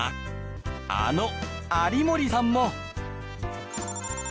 あの有森さんも。